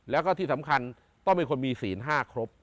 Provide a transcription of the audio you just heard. แล้วก็ที่สำคัญต้องเป็นคนมีศีล๕ครบ